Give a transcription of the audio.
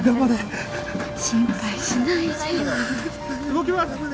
動きます。